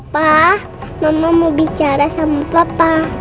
pak mama mau bicara sama papa